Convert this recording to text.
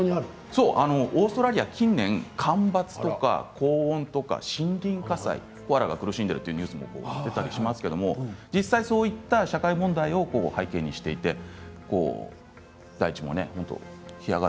オーストラリアは近年、干ばつや高温、森林火災コアラが苦しんでいるというニュースもありますがそういった社会問題を背景にしています。